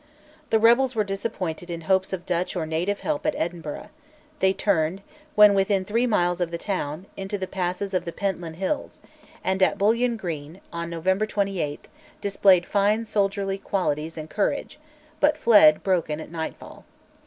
The rebels were disappointed in hopes of Dutch or native help at Edinburgh; they turned, when within three miles of the town, into the passes of the Pentland Hills, and at Bullion Green, on November 28, displayed fine soldierly qualities and courage, but fled, broken, at nightfall.